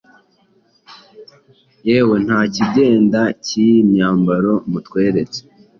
Yewe ntakigenda cyiyimyambaro mutweretse